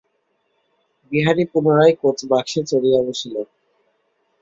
বিহারী পুনরায় কোচবাক্সে চড়িয়া বসিল।